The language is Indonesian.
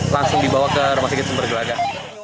langsung dibawa ke rumah sakit sumber gelaga